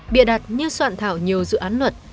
bịa đặt như soạn thảo nhiều dự án luật